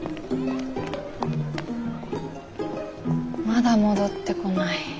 まだ戻ってこない。